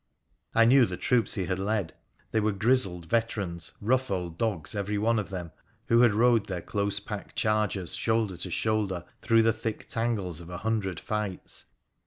I knew the troops he had led. They were grizzled veterans, rough old dogs every one of them, who had rode their close packed chargers, shoulder to shoulder, through the thick tangles of a hundred fights.